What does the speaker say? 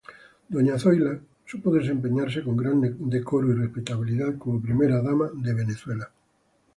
Doña Zoila supo desempeñarse con gran decoro y respetabilidad como primera dama de Venezuela.